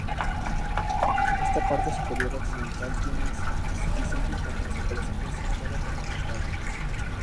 Esta parte superior occidental tiene suficiente importancia para ser clasificada como Nuttall.